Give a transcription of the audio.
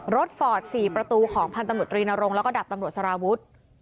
ฟอร์ด๔ประตูของพันธมตรีนรงค์แล้วก็ดับตำรวจสารวุฒิ